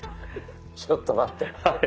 ちょっと待って。